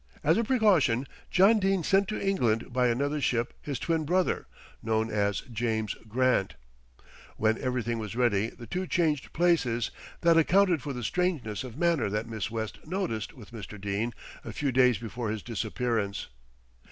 As a precaution John Dene sent to England by another ship his twin brother, known as James Grant. When everything was ready the two changed places; that accounted for the strangeness of manner that Miss West noticed with Mr. Dene a few days before his disappearance."